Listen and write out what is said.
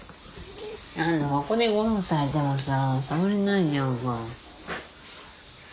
ここでゴロンされてもさ触れないじゃんか。